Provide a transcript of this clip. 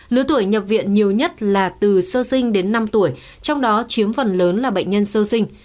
lứa tuổi nhập viện nhiều nhất là từ sơ sinh đến năm tuổi trong đó chiếm phần lớn là bệnh nhân sơ sinh